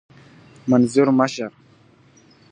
منظور مشر .